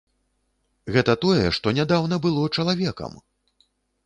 Гэта тое, што нядаўна было чалавекам!